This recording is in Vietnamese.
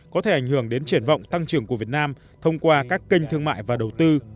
có thể ảnh hưởng đến triển vọng tăng trưởng của việt nam thông qua các kênh thương mại và đầu tư